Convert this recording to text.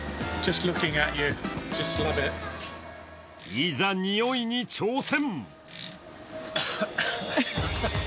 いざにおいに挑戦。